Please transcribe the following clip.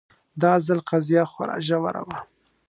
دا ځل قضیه خورا ژوره وه